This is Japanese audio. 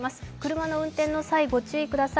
車の運転の際、ご注意ください。